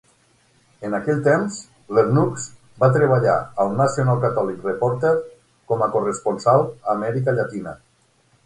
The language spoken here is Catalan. En aquell temps, Lernoux va treballar al "National Catholic Reporter" com a corresponsal a Amèrica Llatina.